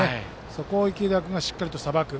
そこを池田君がしっかりとさばく。